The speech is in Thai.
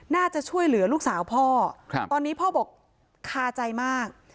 น่าจะช่วยเหลือลูกสาวพ่อตอนนี้พ่อบอกคาใจมาก